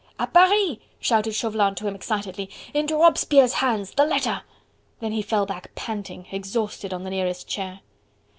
"A Paris!" shouted Chauvelin to him excitedly. "Into Robespierre's hands. ... The letter!..." Then he fell back panting, exhausted on the nearest chair.